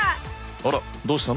あらどうしたの？